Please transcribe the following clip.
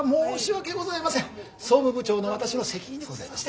総務部長の私の責任でございまして。